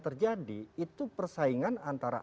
terjadi itu persaingan antara